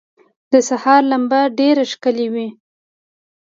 د سهار لمبه ډېره ښکلي وه.